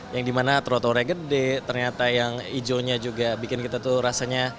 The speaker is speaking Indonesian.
yang dimana troto raya gede ternyata yang ijo nya juga bikin kita tuh rasanya